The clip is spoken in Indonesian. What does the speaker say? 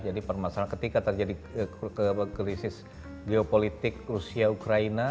jadi permasalahan ketika terjadi krisis geopolitik rusia ukraina